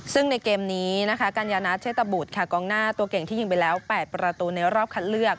ซึ่งในเกมนี้นะคะกัญญานาเชษตบุตรค่ะกองหน้าตัวเก่งที่ยิงไปแล้ว๘ประตูในรอบคัดเลือก